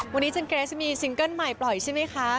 วันนี้เจนเกรสมีซิงเกิ้ลใหม่ปล่อยใช่ไหมคะ